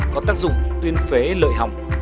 có tác dụng tuyên phế lợi hỏng